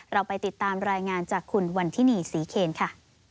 เราไปติดตามรายงานจากคุณวันทินีศรีเคนค่ะ